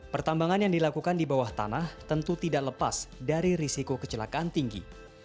pertambangan yang dilakukan di bawah tanah tentu tidak lepas dari risiko kecelakaan tinggi